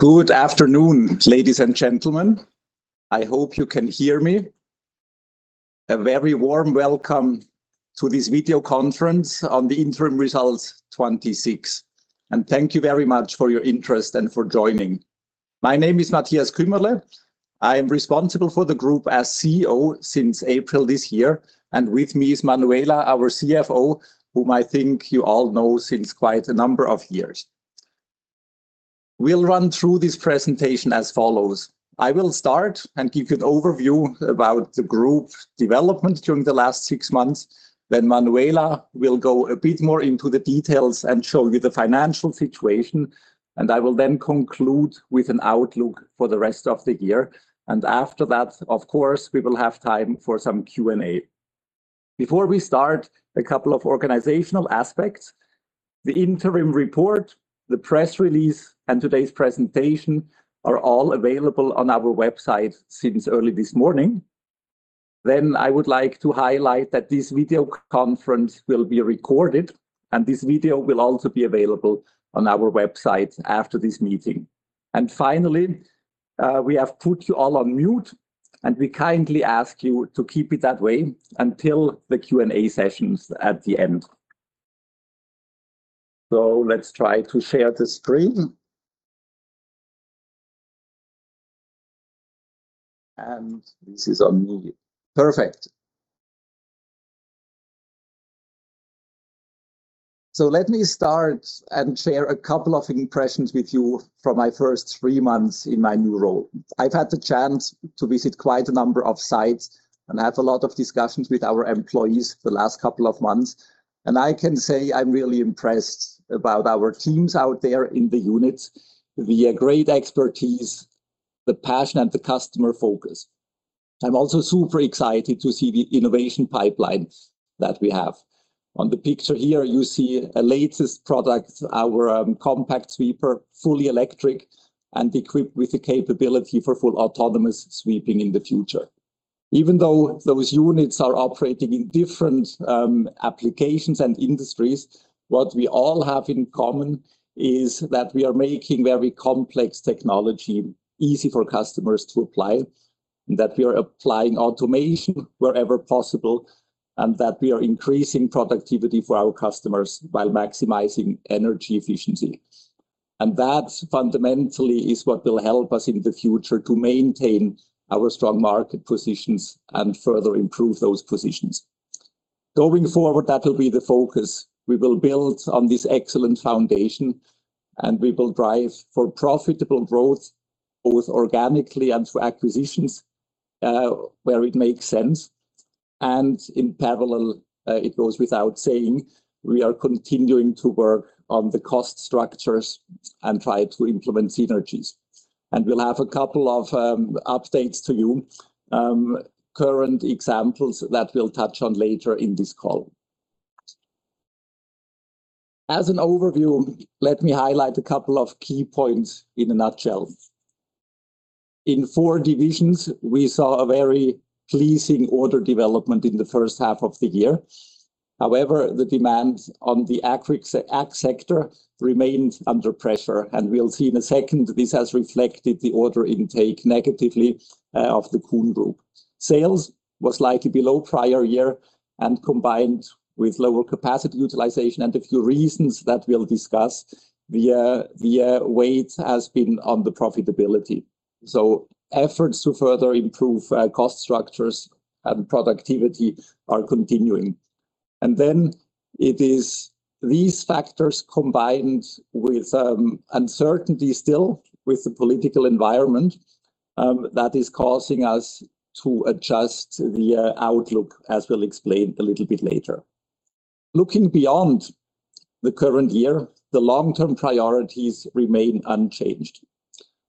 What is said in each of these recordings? Good afternoon, ladies and gentlemen. I hope you can hear me. A very warm welcome to this video conference on the interim results 2026, and thank you very much for your interest and for joining. My name is Matthias Kümmerle. I am responsible for the group as CEO since April this year, and with me is Manuela, our CFO, whom I think you all know since quite a number of years. We'll run through this presentation as follows. I will start and give you an overview about the group's development during the last six months and Manuela will go a bit more into the details and show you the financial situation, and I will then conclude with an outlook for the rest of the year. After that, of course, we will have time for some Q&A. Before we start, a couple of organizational aspects. The interim report, the press release, and today's presentation are all available on our website since early this morning thenn I would like to highlight that this video conference will be recorded, and this video will also be available on our website after this meeting. Finally, we have put you all on mute, and we kindly ask you to keep it that way until the Q&A sessions at the end. Let's try to share the screen. This is on me. Perfect. Let me start and share a couple of impressions with you from my first three months in my new role. I've had the chance to visit quite a number of sites and had a lot of discussions with our employees the last couple of months, and I can say I'm really impressed about our teams out there in the units, the great expertise, the passion, and the customer focus. I'm also super excited to see the innovation pipeline that we have. On the picture here, you see our latest product, our compact sweeper, fully electric and equipped with the capability for full autonomous sweeping in the future. Even though those units are operating in different applications and industries, what we all have in common is that we are making very complex technology easy for customers to apply, and that we are applying automation wherever possible, and that we are increasing productivity for our customers while maximizing energy efficiency. That fundamentally is what will help us in the future to maintain our strong market positions and further improve those positions. Going forward, that will be the focus. We will build on this excellent foundation, and we will drive for profitable growth, both organically and through acquisitions, where it makes sense. In parallel, it goes without saying, we are continuing to work on the cost structures and try to implement synergies. We'll have a couple of updates to you, current examples that we'll touch on later in this call. As an overview, let me highlight a couple of key points in a nutshell. In four divisions, we saw a very pleasing order development in the first half of the year. However, the demand on the ag sector remained under pressure, and we'll see in a second this has reflected the order intake negatively of the Kuhn Group. Sales was slightly below prior year and combined with lower capacity utilization and a few reasons that we'll discuss, the weight has been on the profitability. Efforts to further improve cost structures and productivity are continuing. It is these factors, combined with uncertainty still with the political environment, that is causing us to adjust the outlook as we'll explain a little bit later. Looking beyond the current year, the long-term priorities remain unchanged.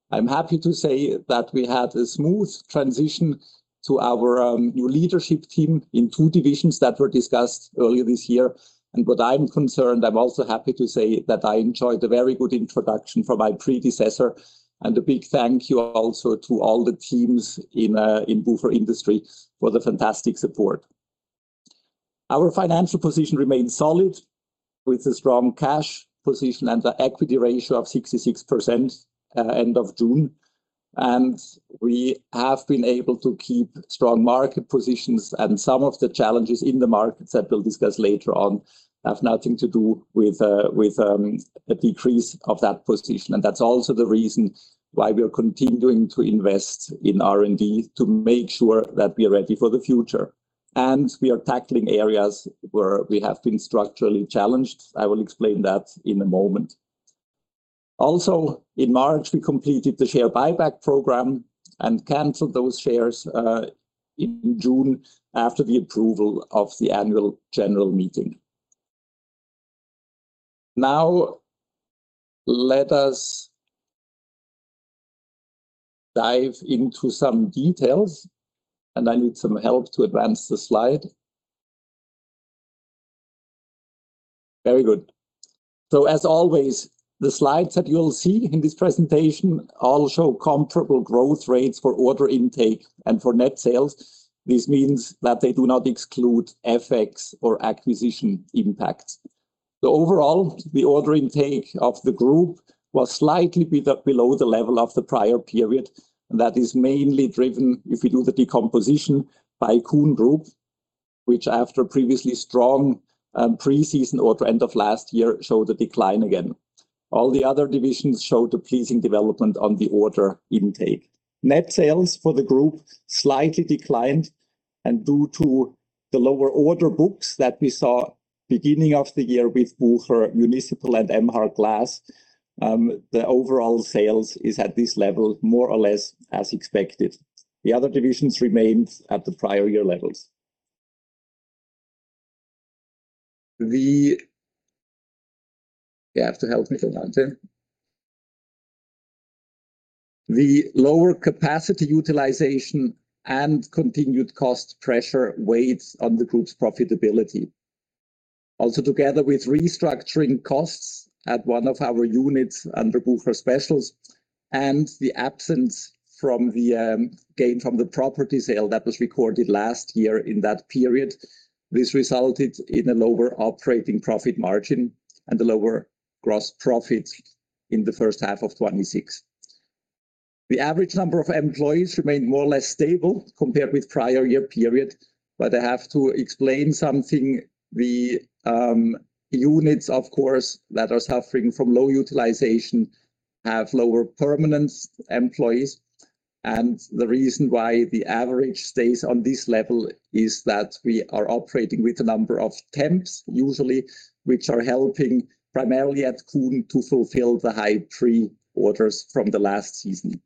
I'm happy to say that we had a smooth transition to our new leadership team in two divisions that were discussed earlier this year. Where I'm concerned, I'm also happy to say that I enjoyed a very good introduction from my predecessor, and a big thank you also to all the teams in Bucher Industries for the fantastic support. Our financial position remains solid, with a strong cash position and an equity ratio of 66% at end of June and we have been able to keep strong market positions, and some of the challenges in the markets that we'll discuss later on have nothing to do with a decrease of that position. That's also the reason why we are continuing to invest in R&D to make sure that we are ready for the future. We are tackling areas where we have been structurally challenged. I will explain that in a moment. Also, in March, we completed the share buyback program and canceled those shares in June after the approval of the annual general meeting. Now, let us dive into some details, and I need some help to advance the slide. Very good. As always, the slides that you'll see in this presentation all show comparable growth rates for order intake and for net sales. This means that they do not exclude FX or acquisition impacts. Overall, the order intake of the group was slightly below the level of the prior period. That is mainly driven, if you do the decomposition, by Kuhn Group, which after a previously strong preseason or end of last year, showed a decline again. All the other divisions showed a pleasing development on the order intake. Net sales for the group slightly declined. Due to the lower order books that we saw beginning of the year with Bucher Municipal and Emhart Glass, the overall sales is at this level more or less as expected. The other divisions remained at the prior year levels. You have to help me. The lower capacity utilization and continued cost pressure weighs on the group's profitability. Also together with restructuring costs at one of our units under Bucher Specials and the absence from the gain from the property sale that was recorded last year in that period, this resulted in a lower operating profit margin and a lower gross profit in the first half of 2026. The average number of employees remained more or less stable compared with prior year period, but I have to explain something. The units, of course, that are suffering from low utilization have lower permanent employees. The reason why the average stays on this level is that we are operating with a number of temps, usually, which are helping primarily at Kuhn to fulfill the high pre-orders from the last season.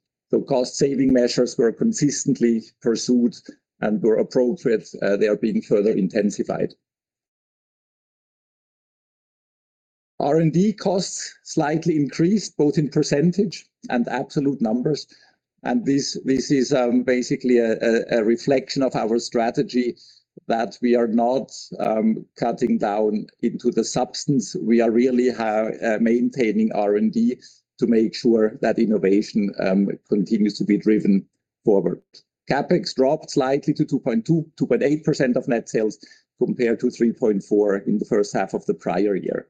Cost-saving measures were consistently pursued and were appropriate. They are being further intensified. R&D costs slightly increased, both in percentage and absolute numbers and this is basically a reflection of our strategy that we are not cutting down into the substance. We are really maintaining R&D to make sure that innovation continues to be driven forward. CapEx dropped slightly to 2.8% of net sales, compared to 3.4% in the first half of the prior year.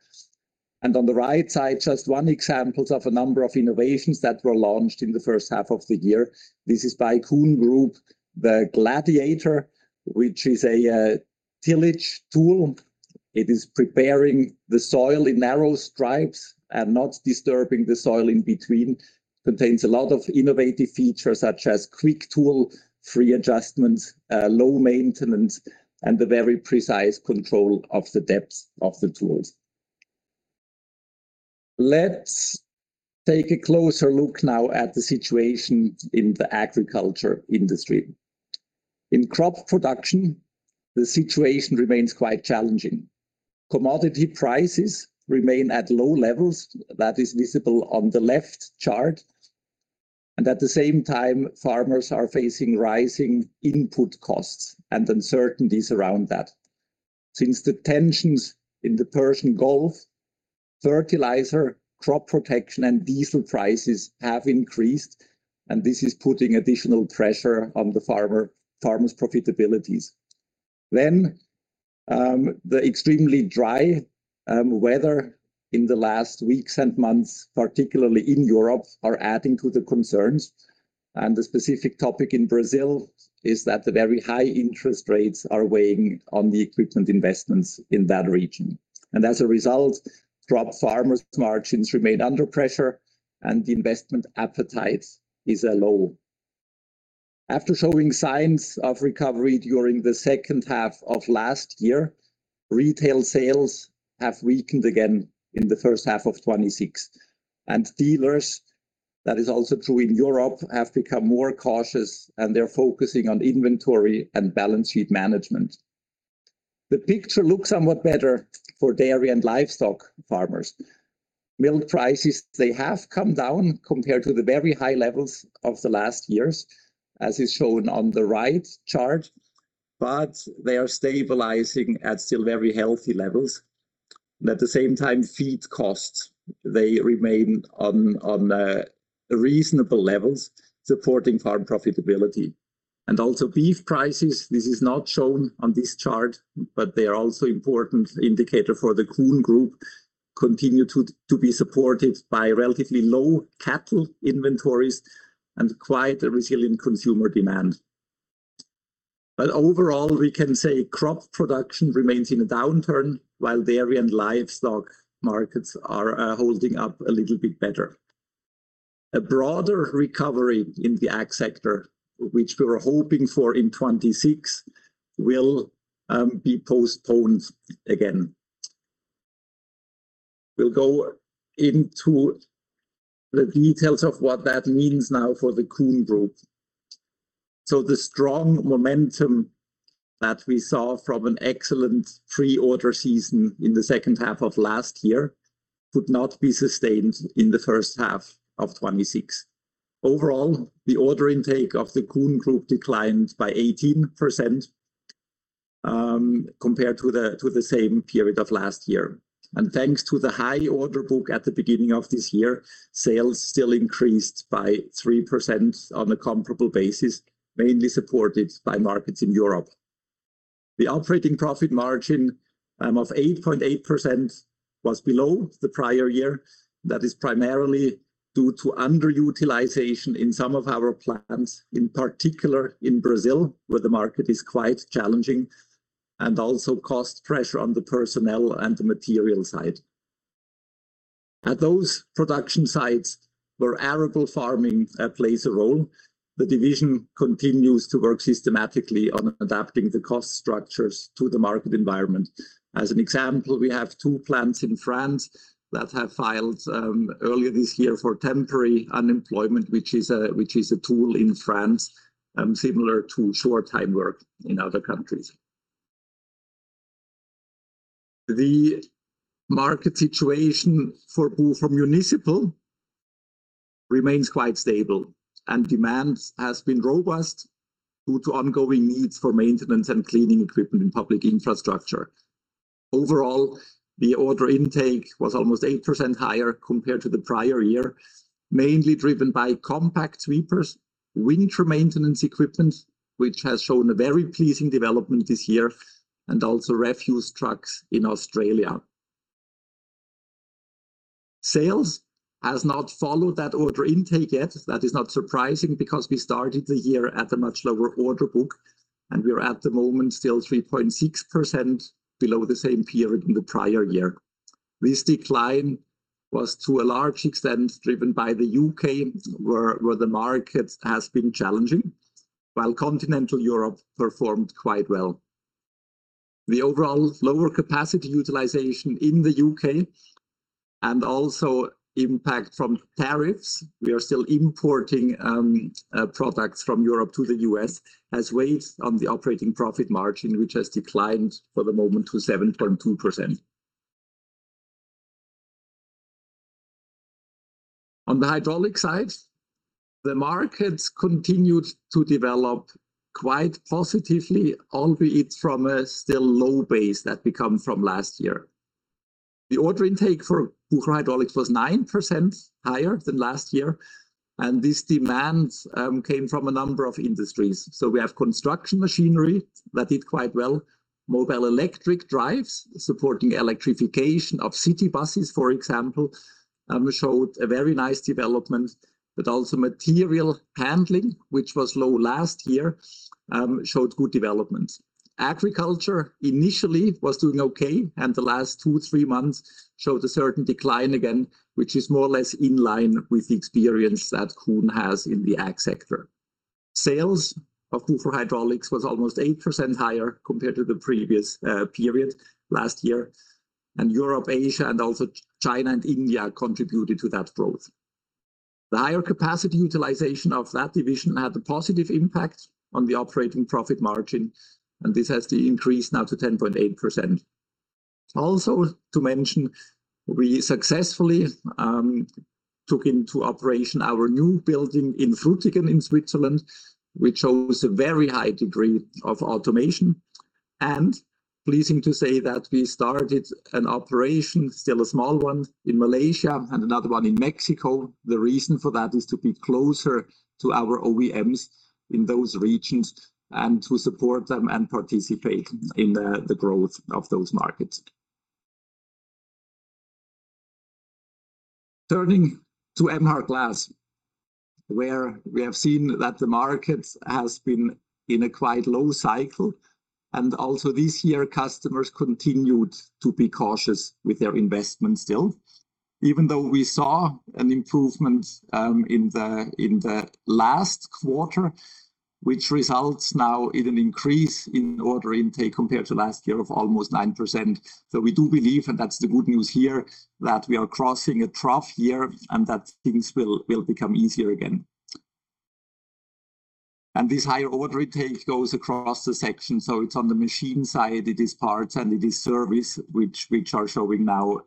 On the right side, just one example of a number of innovations that were launched in the first half of the year. This is by Kuhn Group, the Gladiator, which is a tillage tool. It is preparing the soil in narrow stripes and not disturbing the soil in between. Contains a lot of innovative features such as quick tool, free adjustments, low maintenance, and a very precise control of the depth of the tools. Let's take a closer look now at the situation in the agriculture industry. In crop production, the situation remains quite challenging. Commodity prices remain at low levels. That is visible on the left chart. At the same time, farmers are facing rising input costs and uncertainties around that. Since the tensions in the Persian Gulf, fertilizer, crop protection, and diesel prices have increased, this is putting additional pressure on the farmers' profitabilities. The extremely dry weather in the last weeks and months, particularly in Europe, are adding to the concerns, the specific topic in Brazil is that the very high interest rates are weighing on the equipment investments in that region. As a result, crop farmers' margins remain under pressure and the investment appetite is low. After showing signs of recovery during the second half of last year, retail sales have weakened again in the first half of 2026. Dealers, that is also true in Europe, have become more cautious and they are focusing on inventory and balance sheet management. The picture looks somewhat better for dairy and livestock farmers. Milk prices, they have come down compared to the very high levels of the last years, as is shown on the right chart, they are stabilizing at still very healthy levels. At the same time, feed costs, they remain on reasonable levels, supporting farm profitability. Also beef prices, this is not shown on this chart, they are also important indicator for the Kuhn Group, continue to be supported by relatively low cattle inventories and quite a resilient consumer demand. Overall, we can say crop production remains in a downturn, while dairy and livestock markets are holding up a little bit better. A broader recovery in the ag sector, which we were hoping for in 2026, will be postponed again. We will go into the details of what that means now for the Kuhn Group. The strong momentum that we saw from an excellent pre-order season in the second half of last year could not be sustained in the first half of 2026. Overall, the order intake of the Kuhn Group declined by 18% compared to the same period of last year. Thanks to the high order book at the beginning of this year, sales still increased by 3% on a comparable basis, mainly supported by markets in Europe. The operating profit margin of 8.8% was below the prior year. That is primarily due to underutilization in some of our plants, in particular in Brazil, where the market is quite challenging, and also cost pressure on the personnel and the material side. At those production sites where arable farming plays a role, the division continues to work systematically on adapting the cost structures to the market environment. As an example, we have two plants in France that have filed earlier this year for temporary unemployment, which is a tool in France, similar to short-time work in other countries. The market situation for Bucher Municipal remains quite stable, demand has been robust due to ongoing needs for maintenance and cleaning equipment in public infrastructure. Overall, the order intake was almost 8% higher compared to the prior year, mainly driven by compact sweepers, winter maintenance equipment, which has shown a very pleasing development this year, also refuse trucks in Australia. Sales has not followed that order intake yet. That is not surprising because we started the year at a much lower order book, we are at the moment still 3.6% below the same period in the prior year. This decline was, to a large extent, driven by the U.K., where the market has been challenging, while Continental Europe performed quite well. The overall lower capacity utilization in the U.K. also impact from tariffs, we are still importing products from Europe to the U.S., has weighed on the operating profit margin, which has declined for the moment to 7.2%. On the Hydraulic side, the markets continued to develop quite positively, albeit from a still low base that we come from last year. The order intake for Bucher Hydraulics was 9% higher than last year, this demand came from a number of industries. We have construction machinery that did quite well. Mobile electric drives supporting electrification of city buses, for example, showed a very nice development and also material handling, which was low last year, showed good development. Agriculture initially was doing okay, and the last two, three months showed a certain decline again, which is more or less in line with the experience that Kuhn has in the ag sector. Sales of Bucher Hydraulics was almost 8% higher compared to the previous period last year, and Europe, Asia, and also China and India contributed to that growth. The higher capacity utilization of that division had a positive impact on the operating profit margin, and this has increased now to 10.8%. Also to mention, we successfully took into operation our new building in Frutigen in Switzerland, which shows a very high degree of automation. Pleasing to say that we started an operation, still a small one, in Malaysia and another one in Mexico. The reason for that is to be closer to our OEMs in those regions and to support them and participate in the growth of those markets. Turning to Emhart Glass, where we have seen that the market has been in a quite low cycle, and also this year, customers continued to be cautious with their investments still. Even though we saw an improvement in the last quarter, which results now in an increase in order intake compared to last year of almost 9%. We do believe, and that's the good news here, that we are crossing a trough year and that things will become easier again. This higher order intake goes across the section, so it's on the machine side, it is parts, and it is service, which are showing now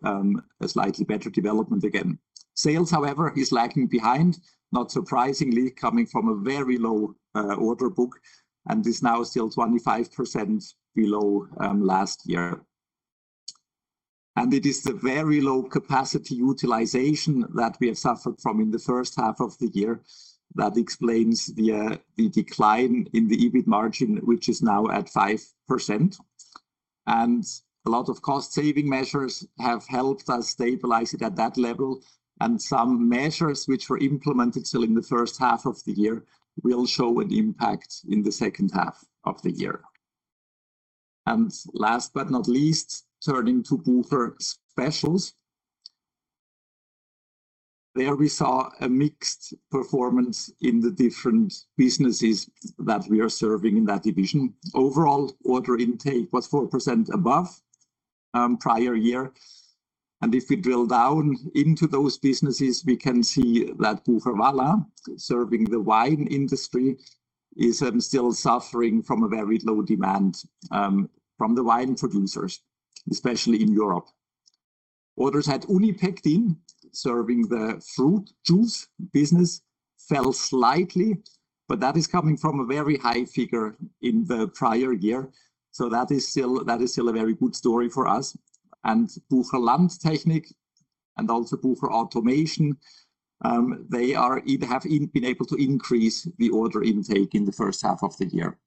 a slightly better development again. Sales, however, is lagging behind, not surprisingly, coming from a very low order book, and is now still 25% below last year. It is the very low capacity utilization that we have suffered from in the first half of the year that explains the decline in the EBIT margin, which is now at 5%. A lot of cost-saving measures have helped us stabilize it at that level, and some measures which were implemented still in the first half of the year will show an impact in the second half of the year. Last but not least, turning to Bucher Specials. There we saw a mixed performance in the different businesses that we are serving in that division. Overall, order intake was 4% above prior year. If we drill down into those businesses, we can see that Bucher Vaslin, serving the wine industry, is still suffering from a very low demand from the wine producers, especially in Europe. Orders at Unipektin, serving the fruit juice business, fell slightly, but that is coming from a very high figure in the prior year. That is still a very good story for us. Bucher Landtechnik and also Bucher Automation, they have been able to increase the order intake in the first half of the year.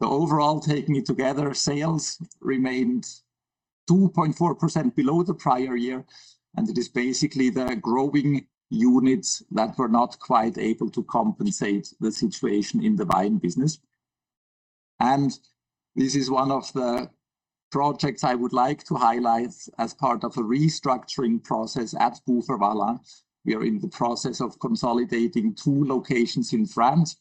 Overall, taking it together, sales remained 2.4% below the prior year, and it is basically the growing units that were not quite able to compensate the situation in the volume business. This is one of the projects I would like to highlight as part of a restructuring process at Bucher Vaslin. We are in the process of consolidating two locations in France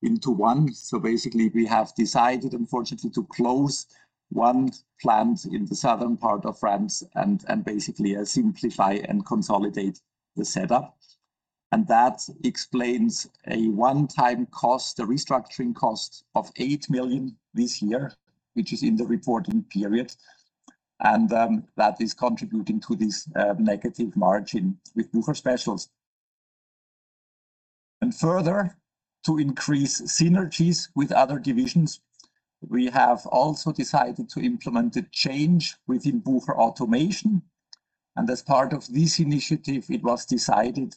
into one. Basically we have decided, unfortunately, to close one plant in the southern part of France and basically simplify and consolidate the setup. That explains a one-time cost, a restructuring cost of 8 million this year, which is in the reporting period. That is contributing to this negative margin with Bucher Specials. Further, to increase synergies with other divisions, we have also decided to implement a change within Bucher Automation. As part of this initiative, it was decided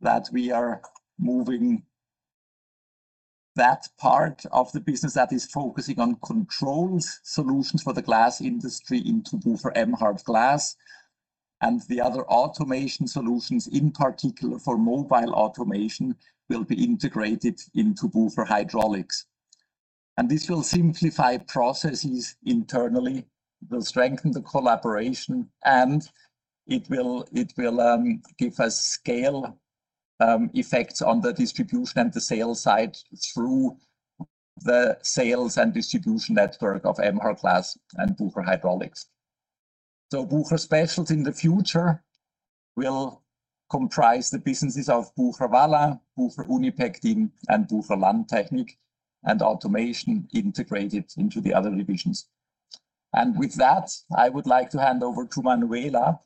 that we are moving that part of the business that is focusing on controls solutions for the glass industry into Bucher Emhart Glass, and the other automation solutions, in particular for mobile automation, will be integrated into Bucher Hydraulics. This will simplify processes internally, will strengthen the collaboration, and it will give us scale effects on the distribution and the sales side through the sales and distribution network of Emhart Glass and Bucher Hydraulics. Bucher Specials in the future will comprise the businesses of Bucher Vaslin, Bucher Unipektin, and Bucher Landtechnik, and automation integrated into the other divisions. With that, I would like to hand over to Manuela.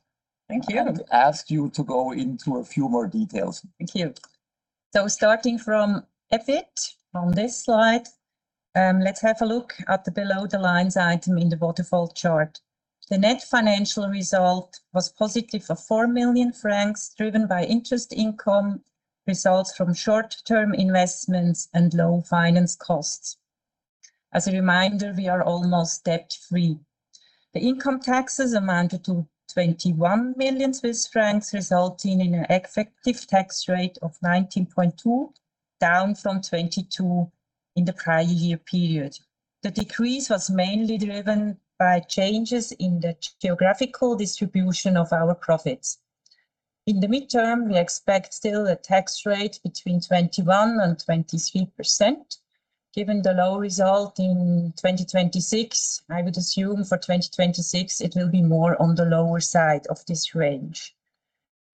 Thank you. I ask you to go into a few more details. Thank you. Starting from EBIT on this slide, let's have a look at the below the lines item in the waterfall chart. The net financial result was positive for 4 million francs, driven by interest income, results from short-term investments, and low finance costs. As a reminder, we are almost debt-free. The income taxes amounted to 21 million Swiss francs, resulting in an effective tax rate of 19.2%, down from 22% in the prior year period. The decrease was mainly driven by changes in the geographical distribution of our profits. In the midterm, we expect still a tax rate between 21% and 23%. Given the low result in 2026, I would assume for 2026 it will be more on the lower side of this range.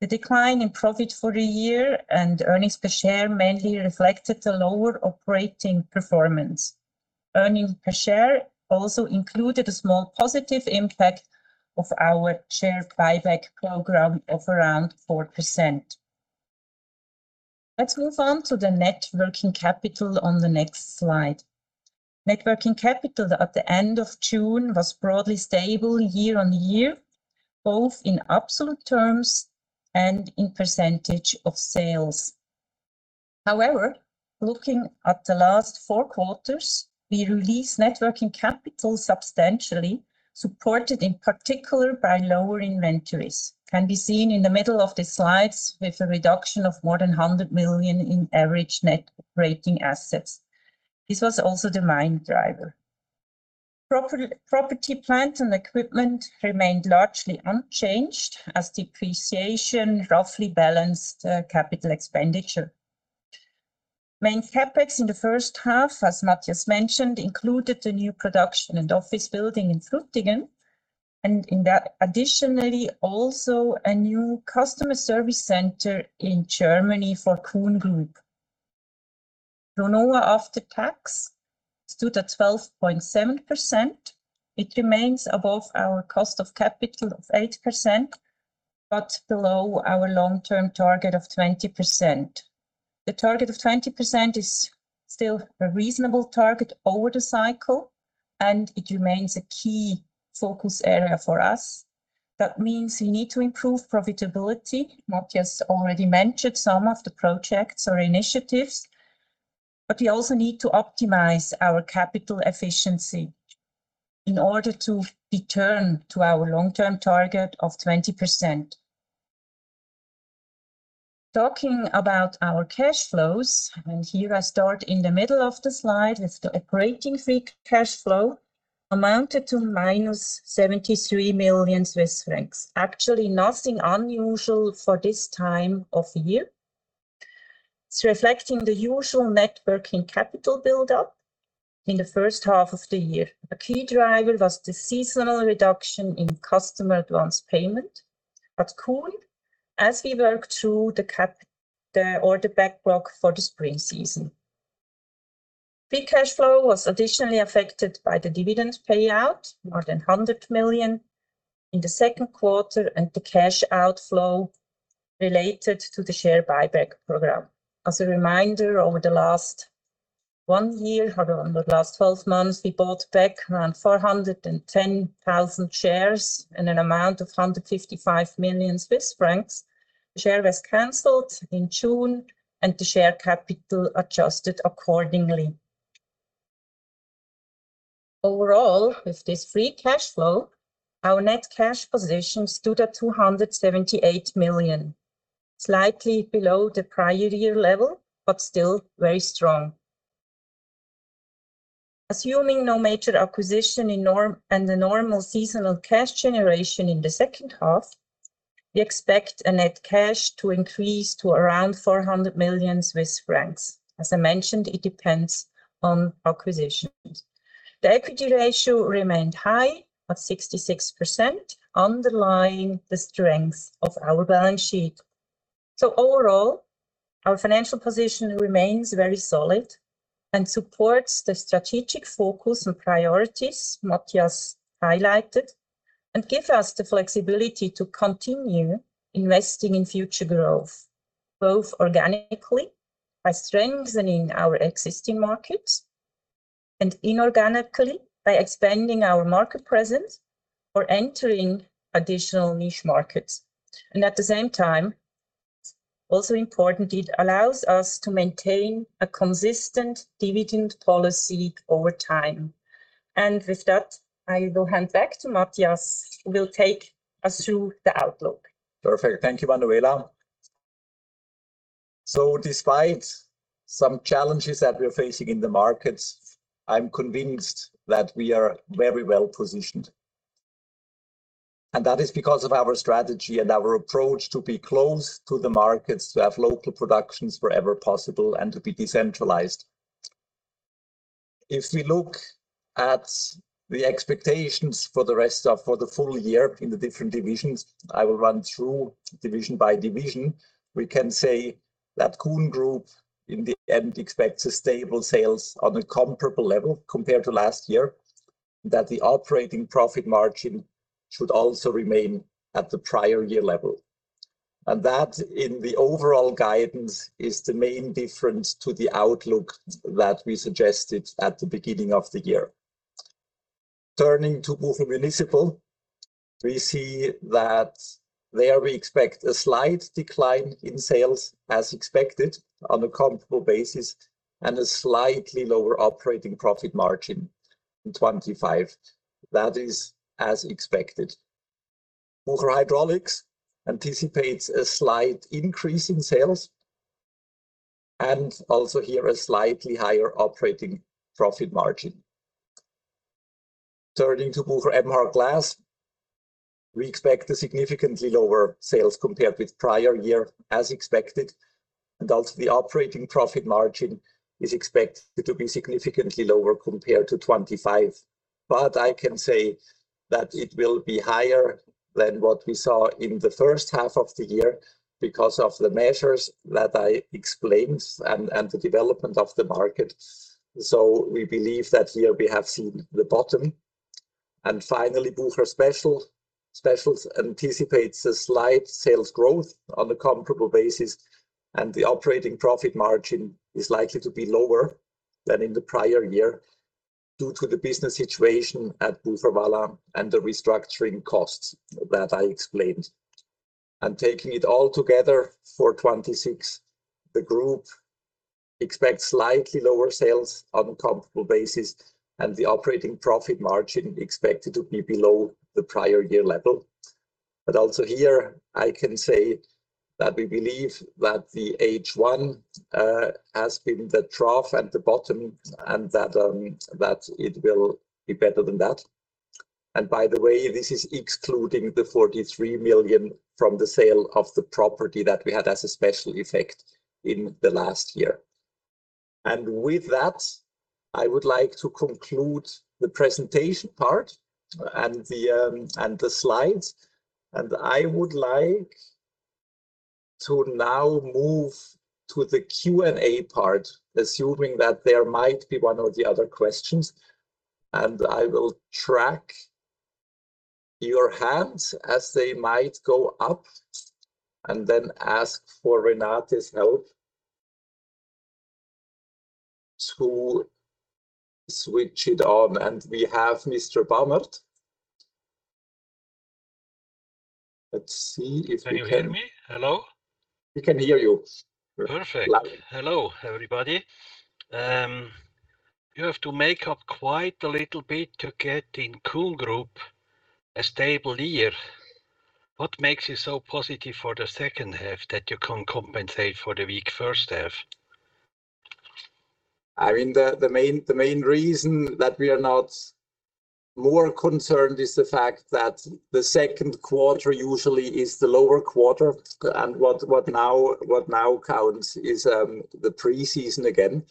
The decline in profit for the year and earnings per share mainly reflected the lower operating performance. Earnings per share also included a small positive impact of our share buyback program of around 4%. Let's move on to the net working capital on the next slide. Net working capital at the end of June was broadly stable year-over-year, both in absolute terms and in percentage of sales. However, looking at the last four quarters, we released net working capital substantially, supported in particular by lower inventories. Can be seen in the middle of the slides with a reduction of more than 100 million in average net operating assets. This was also the main driver. Property, plant, and equipment remained largely unchanged as depreciation roughly balanced capital expenditure. Main CapEx in the first half, as Matthias mentioned, included the new production and office building in Frutigen, and in that additionally, also a new customer service center in Germany for Kuhn Group. RONOA after tax stood at 12.7%. It remains above our cost of capital of 8%, but below our long-term target of 20%. The target of 20% is still a reasonable target over the cycle, and it remains a key focus area for us. That means we need to improve profitability. Matthias already mentioned some of the projects or initiatives, but we also need to optimize our capital efficiency in order to return to our long-term target of 20%. Talking about our cash flows, here I start in the middle of the slide with the operating free cash flow amounted to -73 million Swiss francs. Actually, nothing unusual for this time of year. It's reflecting the usual net working capital buildup in the first half of the year. A key driver was the seasonal reduction in customer advance payment at Kuhn, as we work through the capital or the backlog for the spring season. Free cash flow was additionally affected by the dividend payout, more than 100 million in the second quarter, and the cash outflow related to the share buyback program. As a reminder, over the last one year, or in the last 12 months, we bought back around 410,000 shares in an amount of 155 million Swiss francs. The share was canceled in June, and the share capital adjusted accordingly. Overall, with this free cash flow, our net cash position stood at 278 million, slightly below the prior year level, but still very strong. Assuming no major acquisition and the normal seasonal cash generation in the second half, we expect net cash to increase to around 400 million Swiss francs. As I mentioned, it depends on acquisitions. The equity ratio remained high at 66%, underlying the strength of our balance sheet. Overall, our financial position remains very solid and supports the strategic focus and priorities Matthias highlighted, and gives us the flexibility to continue investing in future growth, both organically by strengthening our existing markets, and inorganically by expanding our market presence or entering additional niche markets. At the same time, also important, it allows us to maintain a consistent dividend policy over time. With that, I will hand back to Matthias, who will take us through the outlook. Perfect. Thank you, Manuela. Despite some challenges that we are facing in the markets, I am convinced that we are very well-positioned. That is because of our strategy and our approach to be close to the markets, to have local productions wherever possible, and to be decentralized. If we look at the expectations for the full year in the different divisions, I will run through division by division. We can say that Kuhn Group, in the end, expects stable sales on a comparable level compared to last year, that the operating profit margin should also remain at the prior year level. That, in the overall guidance, is the main difference to the outlook that we suggested at the beginning of the year. Turning to Bucher Municipal, we see that there we expect a slight decline in sales as expected on a comparable basis, and a slightly lower operating profit margin in 2025. That is as expected. Bucher Hydraulics anticipates a slight increase in sales, and also here, a slightly higher operating profit margin. Turning to Bucher Emhart Glass, we expect significantly lower sales compared with the prior year as expected, and also the operating profit margin is expected to be significantly lower compared to 2025. I can say that it will be higher than what we saw in the first half of the year because of the measures that I explained and the development of the market. We believe that here we have seen the bottom. Finally, Bucher Specials. Specials anticipates a slight sales growth on a comparable basis, and the operating profit margin is likely to be lower than in the prior year due to the business situation at Bucher Vaslin and the restructuring costs that I explained. Taking it all together, for 2026, the group expects slightly lower sales on a comparable basis, and the operating profit margin is expected to be below the prior year level. Also here, I can say that we believe that the H1 has been the trough and the bottom, and that it will be better than that. By the way, this is excluding the 43 million from the sale of the property that we had as a special effect in the last year. With that, I would like to conclude the presentation part and the slides. I would like to now move to the Q&A part, assuming that there might be one or the other questions. I will track your hands as they might go up, and then ask for Renate's help to switch it on. We have Mr. Bamert. Let's see if we can- Can you hear me? Hello? We can hear you. Perfect. Loud. Hello, everybody. You have to make up quite a little bit to get Kuhn Group a stable year. What makes you so positive for the second half that you can compensate for the weak first half? The main reason that we are not more concerned is the fact that the second quarter usually is the lower quarter. What now counts is the preseason again.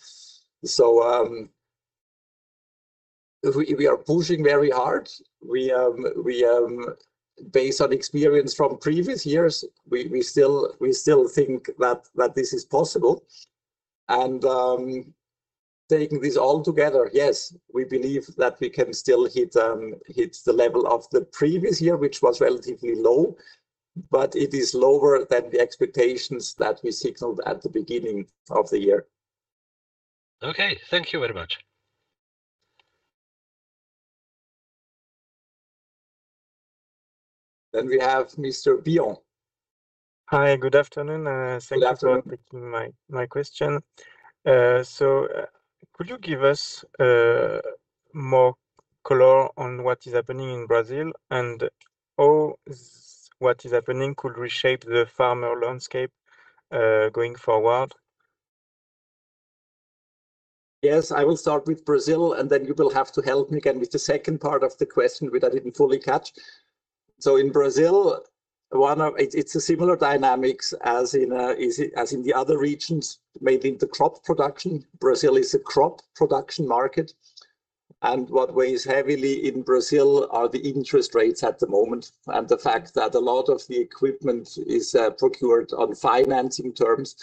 We are pushing very hard. Based on experience from previous years, we still think that this is possible. Taking this all together, yes, we believe that we can still hit the level of the previous year, which was relatively low. It is lower than the expectations that we signaled at the beginning of the year. Okay. Thank you very much. We have Mr. Billon. Hi, good afternoon. Good afternoon. Thank you for taking my question. Could you give us more color on what is happening in Brazil, and how what is happening could reshape the farmer landscape going forward? Yes, I will start with Brazil, and then you will have to help me again with the second part of the question, which I didn't fully catch. In Brazil, it's a similar dynamics as in the other regions, mainly the crop production. Brazil is a crop production market, and what weighs heavily in Brazil are the interest rates at the moment, and the fact that a lot of the equipment is procured on financing terms.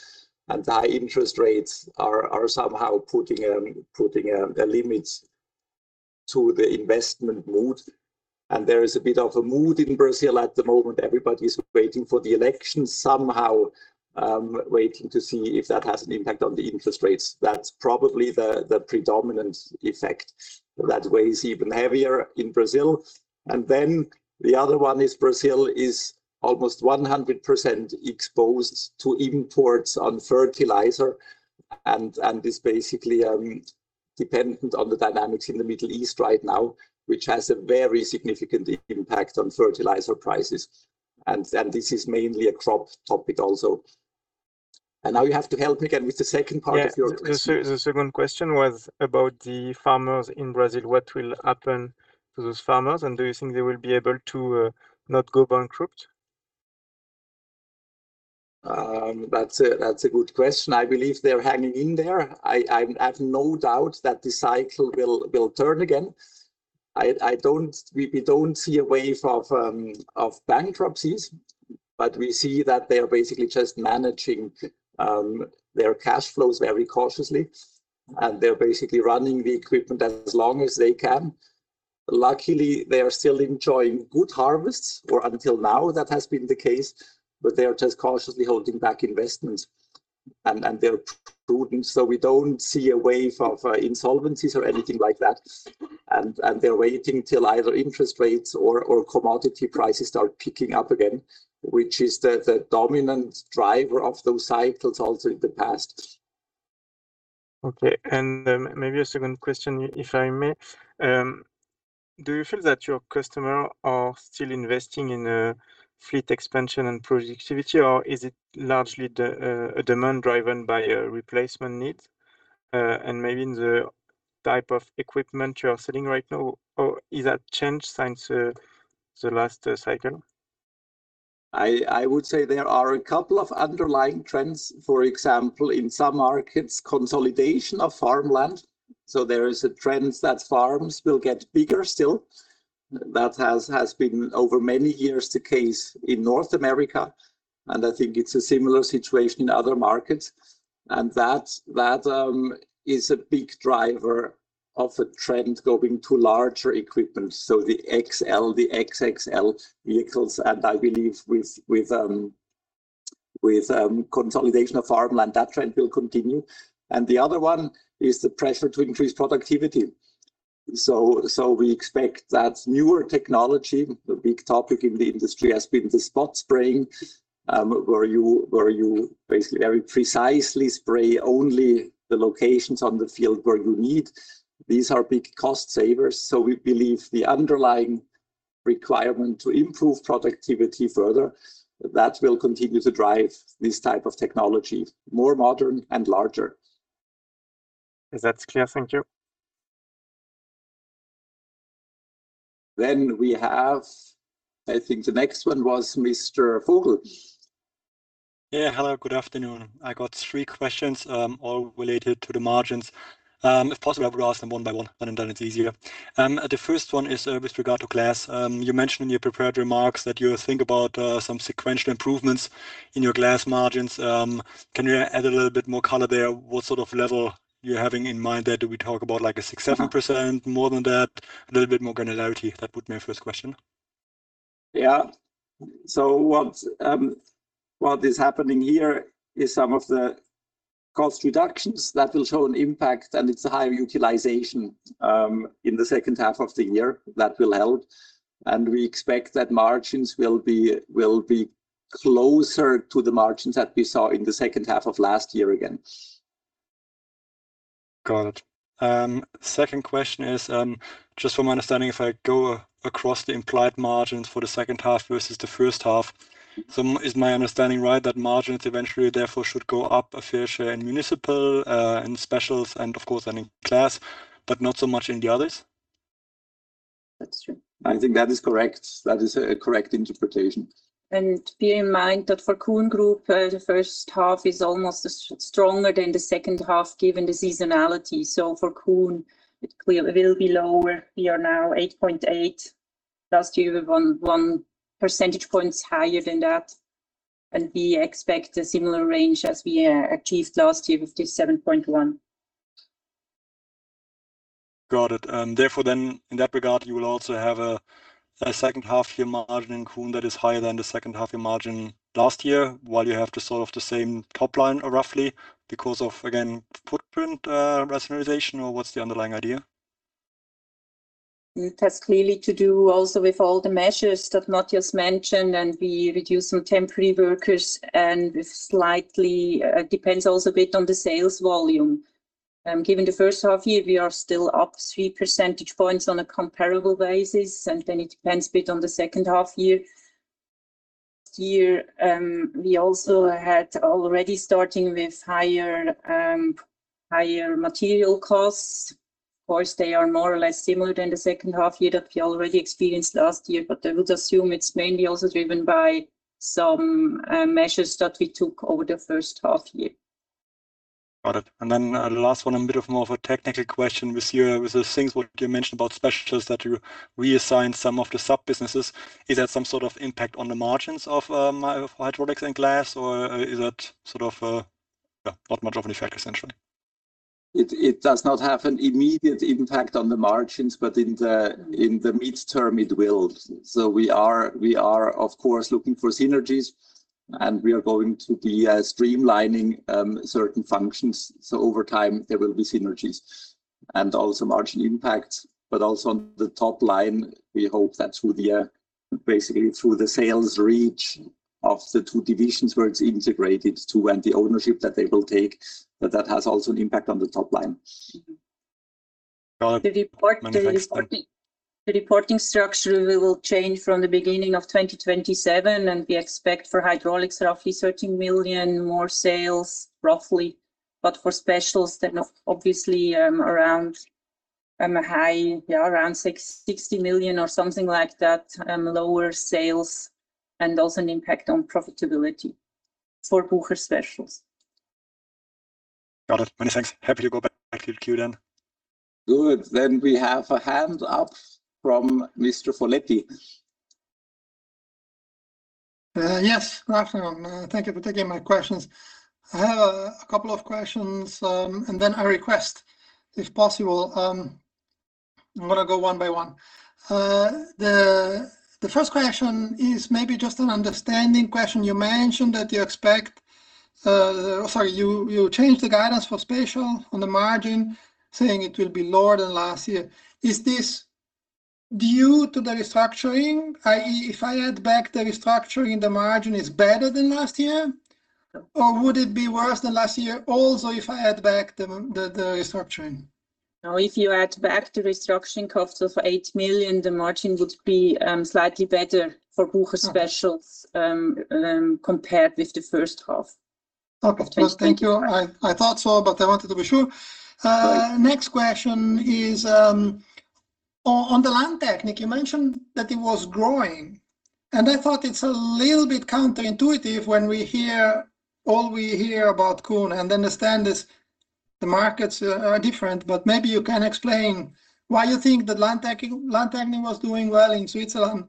High interest rates are somehow putting the limits to the investment mood. There is a bit of a mood in Brazil at the moment. Everybody's waiting for the election somehow, waiting to see if that has an impact on the interest rates. That's probably the predominant effect that weighs even heavier in Brazil. Then the other one is Brazil is almost 100% exposed to imports on fertilizer and is basically dependent on the dynamics in the Middle East right now, which has a very significant impact on fertilizer prices. This is mainly a crop topic also. Now you have to help me again with the second part of your question. Yes. The second question was about the farmers in Brazil. What will happen to those farmers, and do you think they will be able to not go bankrupt? That's a good question. I believe they're hanging in there. I have no doubt that the cycle will turn again. We don't see a wave of bankruptcies, but we see that they are basically just managing their cash flows very cautiously, and they're basically running the equipment as long as they can. Luckily, they are still enjoying good harvests, or until now that has been the case, but they are just cautiously holding back investments, and they're prudent. We don't see a wave of insolvencies or anything like that. They're waiting till either interest rates or commodity prices start picking up again, which is the dominant driver of those cycles also in the past. Maybe a second question, if I may. Do you feel that your customer are still investing in a fleet expansion and productivity, or is it largely a demand driven by a replacement need? Maybe in the type of equipment you are selling right now, or is that changed since the last cycle? I would say there are a couple of underlying trends. For example, in some markets, consolidation of farmland. There is a trend that farms will get bigger still. That has been over many years the case in North America, and I think it's a similar situation in other markets, and that is a big driver of a trend going to larger equipment. The XL, the XXL vehicles. I believe with consolidation of farmland, that trend will continue. The other one is the pressure to increase productivity. We expect that newer technology, the big topic in the industry has been the spot spraying, where you basically very precisely spray only the locations on the field where you need. These are big cost savers, we believe the underlying requirement to improve productivity further, that will continue to drive this type of technology, more modern and larger. That's clear. Thank you. We have, I think the next one was Mr. Vogel. Yeah. Hello, good afternoon. I got three questions, all related to the margins. If possible, I would ask them one by one. One and done, it's easier. The first one is with regard to Glass. You mentioned in your prepared remarks that you think about some sequential improvements in your Glass margins. Can you add a little bit more color there? What sort of level you're having in mind there? Do we talk about like 6%, 7%, more than that? A little bit more granularity. That would be my first question. Yeah. What is happening here is some of the cost reductions that will show an impact, and it's a higher utilization in the second half of the year that will help. We expect that margins will be closer to the margins that we saw in the second half of last year again. Got it. Second question is, just from my understanding, if I go across the implied margins for the second half versus the first half, is my understanding right that margins eventually, therefore, should go up a fair share in Municipal, and Specials, and of course, in Glass, but not so much in the others? That's true. I think that is correct. That is a correct interpretation. Bear in mind that for Kuhn Group, the first half is almost stronger than the second half, given the seasonality. For Kuhn, it will be lower. We are now 8.8%. Last year, we won 1 percentage point higher than that, and we expect a similar range as we achieved last year with the 7.1%. Got it. In that regard, you will also have a second half-year margin in Kuhn that is higher than the second half-year margin last year while you have the same top line roughly because of, again, footprint rationalization, or what's the underlying idea? It has clearly to do also with all the measures that Matthias mentioned. We reduced some temporary workers, and it slightly depends also a bit on the sales volume. Given the first half year, we are still up 3 percentage points on a comparable basis. Then it depends a bit on the second half year. We also had already starting with higher material costs. Of course, they are more or less similar than the second half year that we already experienced last year. I would assume it's mainly also driven by some measures that we took over the first half year. Got it. Then the last one, a bit of more of a technical question. With those things what you mentioned about specialists, that you reassigned some of the sub-businesses, is that some sort of impact on the margins of Hydraulics and Glass, or is that not much of an effect, essentially? It does not have an immediate impact on the margins. In the midterm, it will. We are, of course, looking for synergies. We are going to be streamlining certain functions. Over time, there will be synergies and also margin impacts. Also on the top line, we hope that through the sales reach of the two divisions where it's integrated to, and the ownership that they will take, that that has also an impact on the top line. Got it. Many thanks. The reporting structure will change from the beginning of 2027, and we expect for Bucher Hydraulics, roughly 13 million more sales, roughly. For Bucher Specials, obviously around a high 60 million or something like that, lower sales and also an impact on profitability for Bucher Specials. Got it. Many thanks. Happy to go back to the queue then. Good. We have a hand up from Mr. Foletti. Yes. Good afternoon. Thank you for taking my questions. I have a couple of questions, and then a request, if possible. I'm going to go one by one. The first question is maybe just an understanding question. You changed the guidance for Bucher Specials on the margin, saying it will be lower than last year. Is this due to the restructuring, i.e., if I add back the restructuring, the margin is better than last year? Would it be worse than last year also if I add back the restructuring? No, if you add back the restructuring cost of 8 million, the margin would be slightly better for Bucher Specials compared with the first half. Okay. Thank you. I thought so, but I wanted to be sure. Good. Next question is, on the Landtechnik, you mentioned that it was growing, and I thought it's a little bit counterintuitive when we hear all we hear about Kuhn and understand the markets are different, but maybe you can explain why you think that Landtechnik was doing well in Switzerland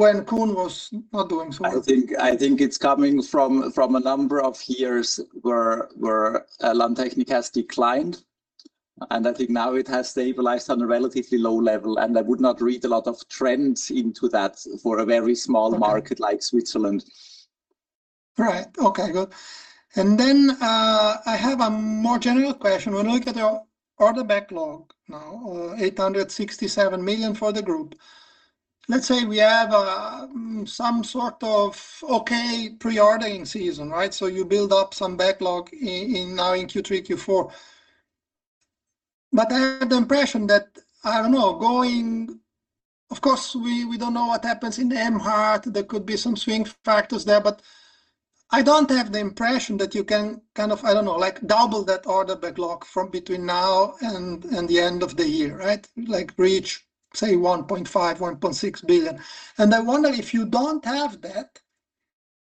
when Kuhn was not doing so well. I think it's coming from a number of years where Landtechnik has declined, and I think now it has stabilized on a relatively low level, and I would not read a lot of trends into that for a very small market like Switzerland. Right. Okay, good. I have a more general question. When we look at the order backlog now, 867 million for the group, let's say we have some sort of okay pre-ordering season. You build up some backlog now in Q3, Q4. I have the impression that, I don't know, of course, we don't know what happens in Emhart. There could be some swing factors there, but I don't have the impression that you can, I don't know, double that order backlog from between now and the end of the year. Like reach, say, 1.5 billion-1.6 billion. I wonder if you don't have that,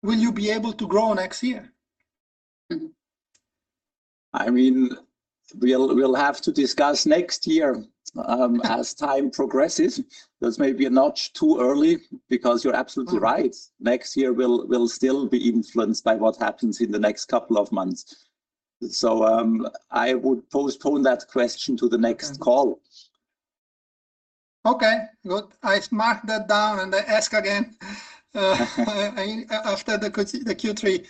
will you be able to grow next year? We'll have to discuss next year as time progresses, because maybe a notch too early, because you're absolutely right. Next year will still be influenced by what happens in the next couple of months. I would postpone that question to the next call. Okay, good. I mark that down. I ask again after the Q3.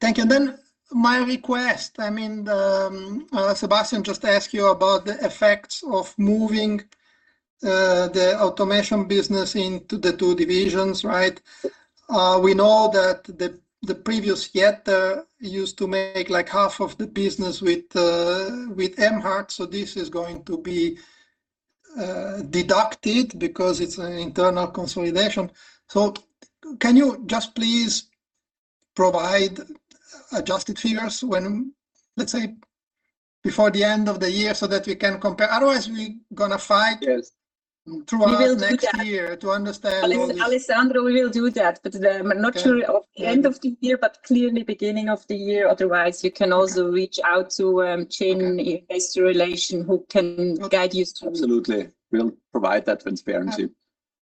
Thank you. My request. Sebastian just asked you about the effects of moving the Bucher Automation business into the two divisions. We know that the previous year, used to make half of the business with Emhart, so this is going to be deducted because it's an internal consolidation. Can you just please provide adjusted figures when, let's say, before the end of the year so that we can compare? Otherwise, we going to fight- Yes. ...throughout next year to understand all this. Alessandro, we will do that, I'm not sure of the end of the year, clearly beginning of the year. Otherwise, you can also reach out to Jin, Investor Relations, who can guide you through. Absolutely. We'll provide that transparency.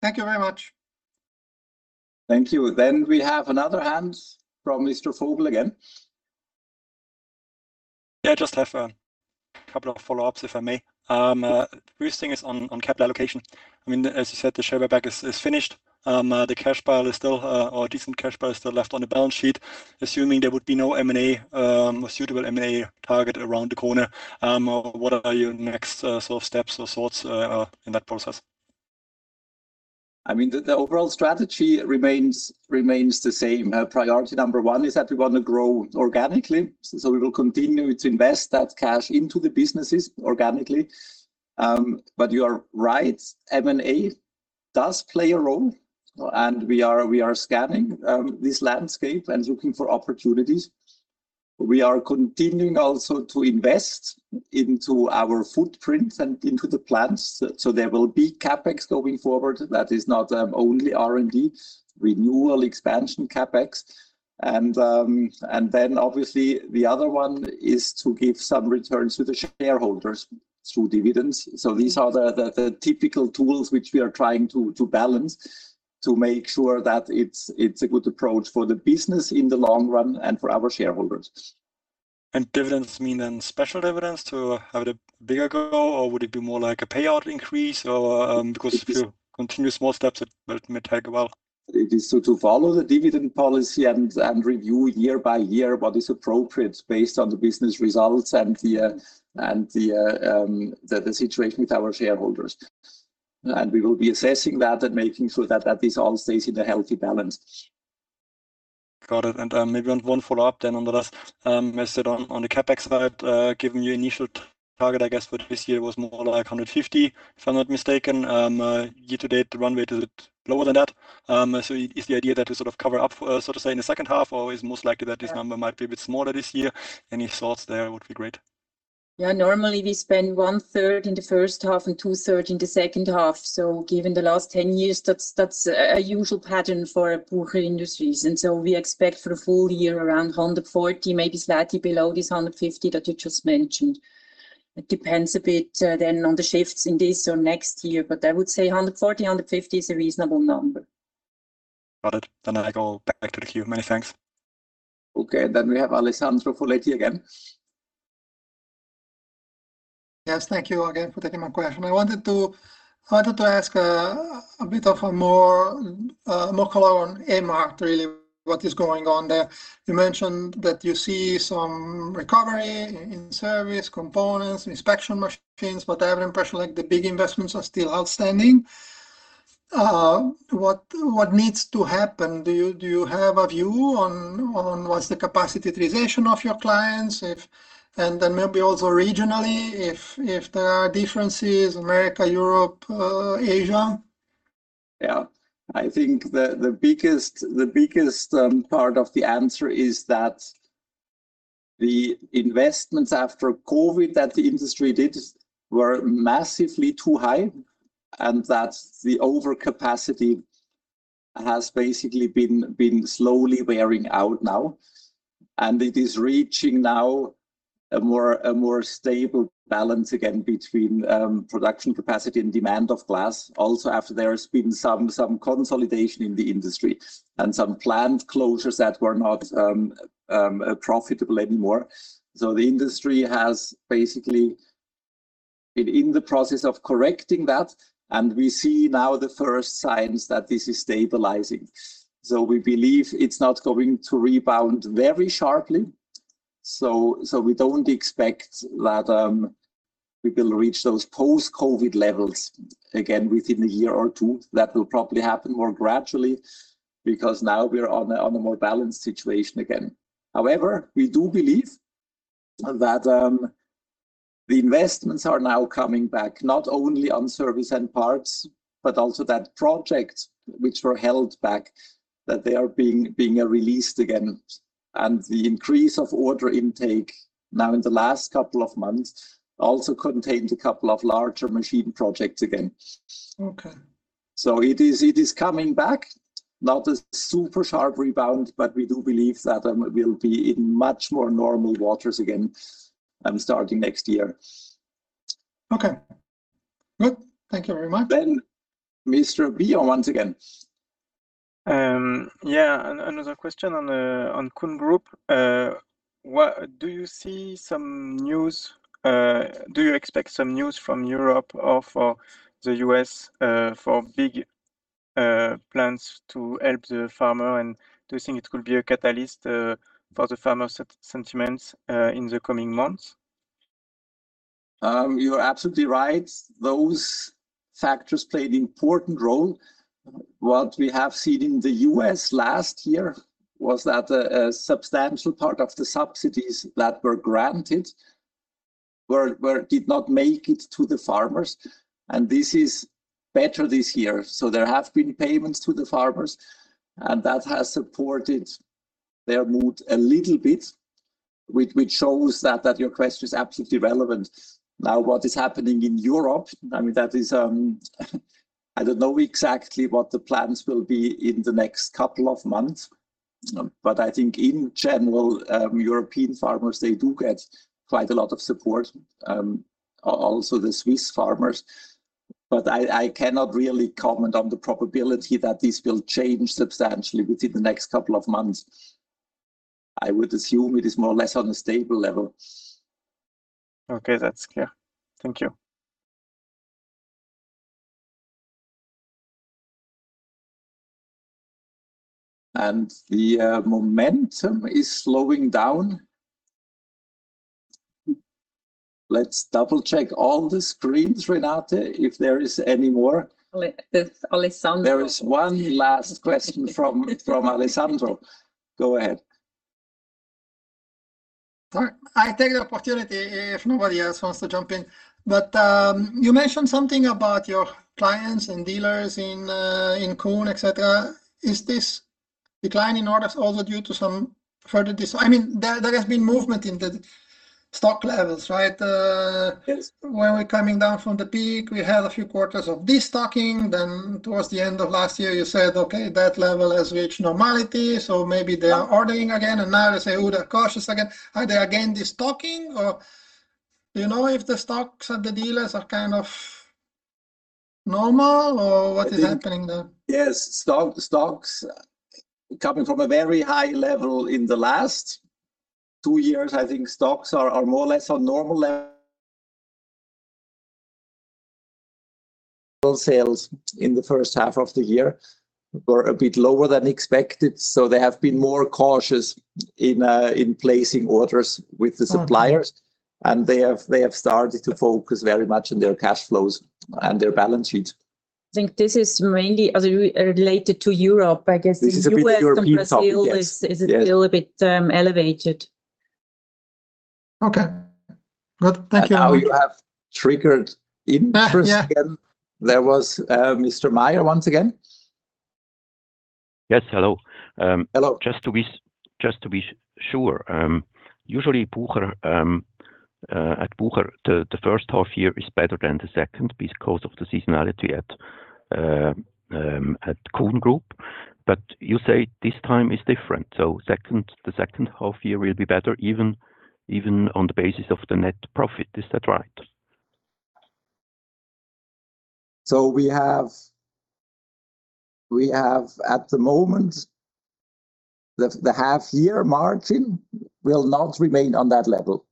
Thank you very much. Thank you. We have another hand from Mr. Vogel again. Yeah, I just have a couple of follow-ups, if I may. Yeah. First thing is on capital allocation. As you said, the share buyback is finished. A decent cash pile is still left on the balance sheet. Assuming there would be no M&A or suitable M&A target around the corner, what are your next steps or thoughts in that process? The overall strategy remains the same. Priority number one is that we want to grow organically, so we will continue to invest that cash into the businesses organically. You are right, M&A does play a role, and we are scanning this landscape and looking for opportunities. We are continuing also to invest into our footprint and into the plants. There will be CapEx going forward that is not only R&D, renewal expansion CapEx. Obviously the other one is to give some returns to the shareholders through dividends. These are the typical tools which we are trying to balance to make sure that it's a good approach for the business in the long run and for our shareholders. Dividends mean then special dividends to have it a bigger go, or would it be more like a payout increase? If you continue small steps, it may take a while. It is to follow the dividend policy and review year by year what is appropriate based on the business results and the situation with our shareholders. We will be assessing that and making sure that this all stays in a healthy balance. Got it. Maybe one follow-up then on the rest. On the CapEx side, given your initial target, I guess, for this year was more like 150, if I'm not mistaken. year-to-date, the runway is lower than that. Is the idea that to sort of cover up, so to say, in the second half, or is it most likely that this number might be a bit smaller this year? Any thoughts there would be great. Normally we spend 1/3 in the first half and 2/3 in the second half. Given the last 10 years, that's a usual pattern for Bucher Industries. We expect for the full year around 140, maybe slightly below this 150 that you just mentioned. It depends a bit then on the shifts in this or next year. I would say 140, 150 is a reasonable number. Got it. I go back to the queue. Many thanks. Okay, we have Alessandro Foletti again. Yes, thank you again for taking my question. I wanted to ask a bit of a more color on Emhart, really, what is going on there. You mentioned that you see some recovery in service, components, inspection machines, I have an impression like the big investments are still outstanding. What needs to happen? Do you have a view on what's the capacity utilization of your clients? Maybe also regionally, if there are differences, America, Europe, Asia. Yeah. I think the biggest part of the answer is that the investments after COVID that the industry did were massively too high, that the overcapacity has basically been slowly wearing out now, it is reaching now a more stable balance again between production capacity and demand of glass. After there has been some consolidation in the industry and some plant closures that were not profitable anymore. The industry has basically been in the process of correcting that, we see now the first signs that this is stabilizing so we believe it's not going to rebound very sharply. We don't expect that we will reach those post-COVID levels again within a year or two. That will probably happen more gradually because now we're on a more balanced situation again. However, we do believe that the investments are now coming back, not only on service and parts, also that projects which were held back, that they are being released again. The increase of order intake now in the last couple of months also contained a couple of larger machine projects again. Okay. It is coming back. Not a super sharp rebound, but we do believe that we'll be in much more normal waters again starting next year. Okay. Good. Thank you very much. Mr. Billon once again. Yeah. Another question on Kuhn Group. Do you expect some news from Europe or for the U.S. for big plans to help the farmer? Do you think it could be a catalyst for the farmer sentiments in the coming months? You are absolutely right. Those factors played important role. What we have seen in the U.S. last year was that a substantial part of the subsidies that were granted did not make it to the farmers, and this is better this year. There have been payments to the farmers, and that has supported their mood a little bit, which shows that your question is absolutely relevant. What is happening in Europe, I don't know exactly what the plans will be in the next couple of months. I think in general, European farmers, they do get quite a lot of support. Also the Swiss farmers. I cannot really comment on the probability that this will change substantially within the next couple of months. I would assume it is more or less on a stable level. Okay, that's clear. Thank you. The momentum is slowing down. Let's double-check all the screens, Renate, if there is any more. Alessandro. There is one last question from Alessandro. Go ahead. I take the opportunity if nobody else wants to jump in. You mentioned something about your clients and dealers in Kuhn, etc. Is this decline in orders also due to some movement in the stock levels, right? Yes. When we're coming down from the peak, we had a few quarters of destocking. Towards the end of last year, you said, okay, that level has reached normality, so maybe they are ordering again, and now they say, oh, they're cautious again. Are they again destocking, or do you know if the stocks at the dealers are kind of normal, or what is happening there? Yes, stocks coming from a very high level in the last two years, I think stocks are more or less on normal level. Sales in the first half of the year were a bit lower than expected, so they have been more cautious in placing orders with the suppliers. Oh, okay. They have started to focus very much on their cash flows and their balance sheets. I think this is mainly related to Europe, but I guess this- This is a bit European topic, yes. ..in the U.S., the steel is a little bit elevated. Okay. Good. Thank you. Now you have triggered interest again. Yeah. There was Mr. Meyer once again. Yes. Hello. Hello. Just to be sure. Usually at Bucher, the first half-year is better than the second because of the seasonality at the Kuhn Group. You say this time is different, the second half-year will be better even on the basis of the net profit. Is that right? At the moment, the half-year margin will not remain on that level.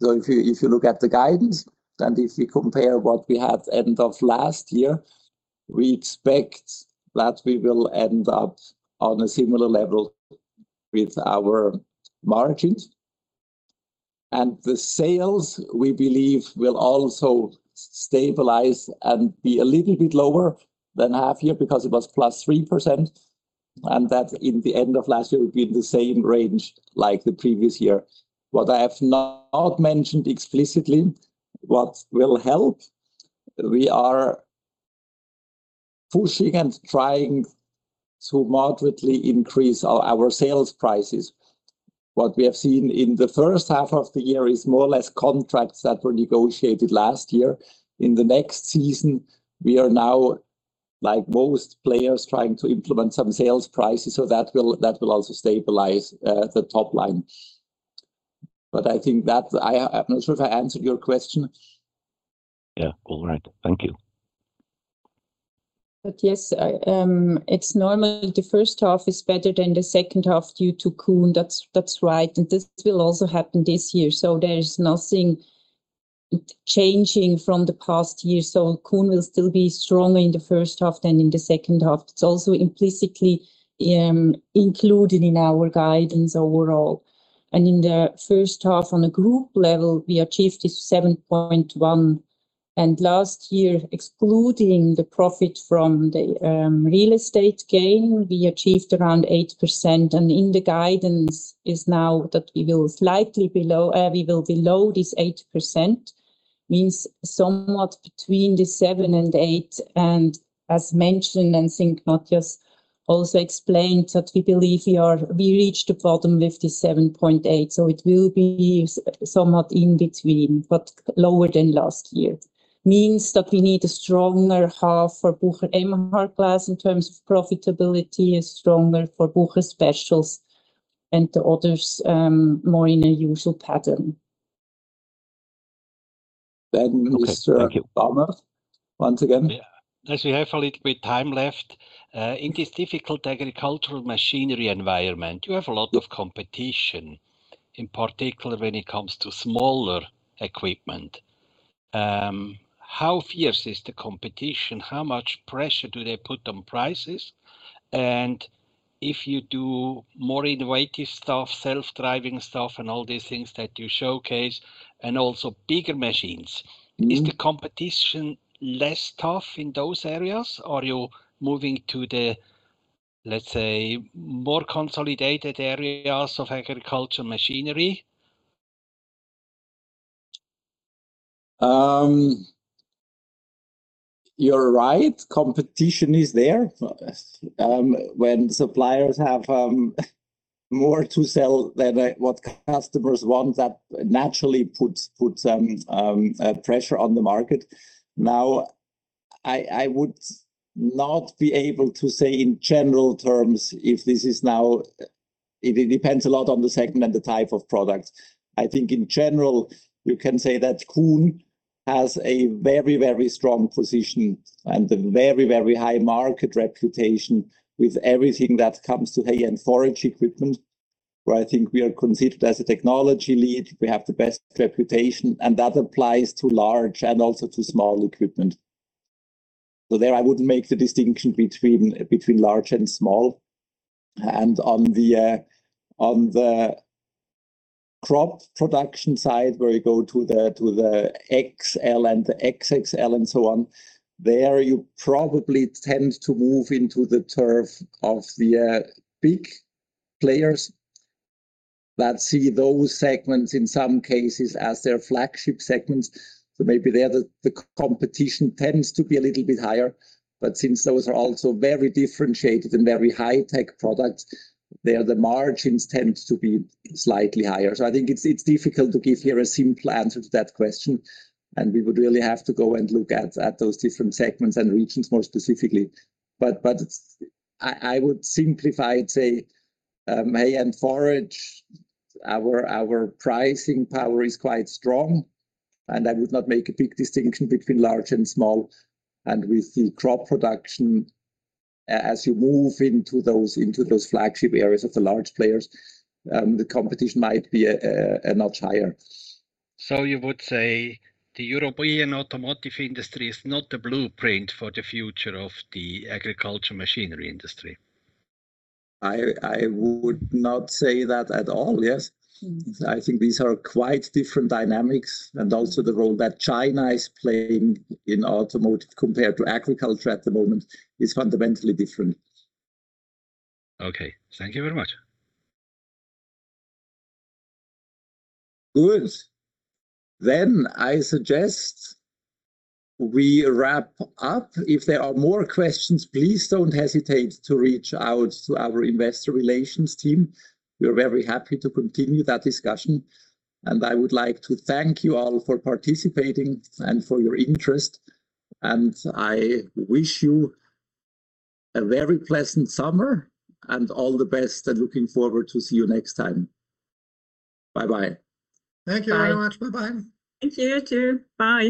If you look at the guidance and if we compare what we had end of last year, we expect that we will end up on a similar level with our margins. The sales, we believe, will also stabilize and be a little bit lower than half-year because it was +3%, and that in the end of last year will be in the same range like the previous year. What I have not mentioned explicitly, what will help, we are pushing and trying to moderately increase our sales prices. What we have seen in the first half of the year is more or less contracts that were negotiated last year. In the next season, we are now, like most players, trying to implement some sales prices, so that will also stabilize the top line. I'm not sure if I answered your question. Yeah. All right. Thank you. Yes, it's normal. The first half is better than the second half due to Kuhn. That's right. This will also happen this year, there is nothing changing from the past year. Kuhn will still be stronger in the first half than in the second half. It's also implicitly included in our guidance overall. In the first half on a group level, we achieved this 7.1%, and last year, excluding the profit from the real estate gain, we achieved around 8%. In the guidance is now that we will below this 8%, means somewhat between the 7% and 8%. As mentioned, I think Matthias also explained that we believe we reach the bottom with the 7.8%, so it will be somewhat in between, but lower than last year. Means that we need a stronger half for Bucher Emhart Glass in terms of profitability, a stronger for Bucher Specials, and the others more in a usual pattern. Mr.- Okay. Thank you Mr. Balmert once again. As we have a little bit of time left. In this difficult agricultural machinery environment, you have a lot of competition, in particular when it comes to smaller equipment. How fierce is the competition? How much pressure do they put on prices? If you do more innovative stuff, self-driving stuff, and all these things that you showcase, and also bigger machines. Is the competition less tough in those areas? Are you moving to the, let's say, more consolidated areas of agricultural machinery? You're right, competition is there. When suppliers have more to sell than what customers want, that naturally puts pressure on the market. I would not be able to say in general terms if it depends a lot on the segment and the type of product. I think in general, you can say that Kuhn has a very strong position and a very high market reputation with everything that comes to hay and forage equipment, where I think we are considered as a technology lead. We have the best reputation, and that applies to large and also to small equipment. There I wouldn't make the distinction between large and small. On the crop production side, where you go to the XL and the XXL and so on, there you probably tend to move into the turf of the big players that see those segments, in some cases, as their flagship segments. Maybe there the competition tends to be a little bit higher. Since those are also very differentiated and very high-tech products, there the margins tend to be slightly higher. I think it is difficult to give here a simple answer to that question, and we would really have to go and look at those different segments and regions more specifically. I would simplify it, say, hay and forage, our pricing power is quite strong, and I would not make a big distinction between large and small. With the crop production, as you move into those flagship areas of the large players, the competition might be a notch higher. You would say the European automotive industry is not the blueprint for the future of the agriculture machinery industry? I would not say that at all. Yes. I think these are quite different dynamics, and also the role that China is playing in automotive compared to agriculture at the moment is fundamentally different. Okay. Thank you very much. Good. I suggest we wrap up. If there are more questions, please don't hesitate to reach out to our investor relations team. We're very happy to continue that discussion, I would like to thank you all for participating and for your interest. I wish you a very pleasant summer and all the best and looking forward to see you next time. Bye-bye. Thank you very much. Bye-bye. Thank you too. Bye.